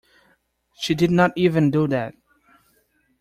She did not even do that!